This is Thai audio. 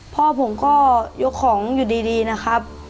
พ่อผมก็ยกของอยู่ดีนะครับ